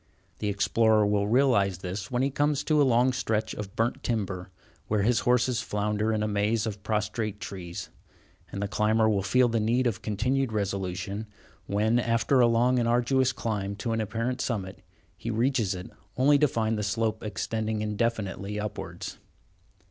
The explorer will realize this when he comes to a long stretch of burnt timber, where his horses flounder in a maze of prostrate trees; and the climber will feel the need of continued resolution when, after a long and arduous climb to an apparent summit, he reaches it only to find the slope extending indefinitely upwards.